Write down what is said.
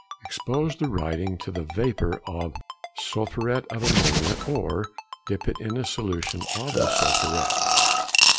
Expose the writing to the vapour of sulphuret of ammonia, or dip it into a solution of the sulphuret.